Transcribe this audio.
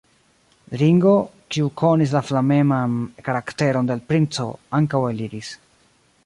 Ringo, kiu konis la flameman karakteron de l' princo, ankaŭ eliris.